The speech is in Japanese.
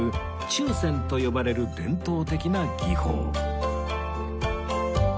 注染と呼ばれる伝統的な技法